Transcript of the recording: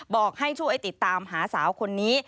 บอกให้ช่วยติดตามหาสาวคนนี้